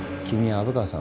虻川さん